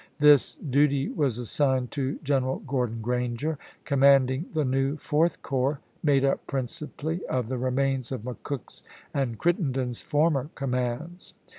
This duty was assigned to General Gordon Granger, commanding the new Fourth Corps, made up principally of the remains of McCook's and Crittenden's former commands.